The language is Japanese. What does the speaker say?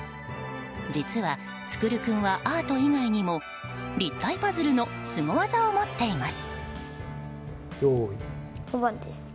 実は創君はアート以外にも立体パズルのスゴ技を持っています。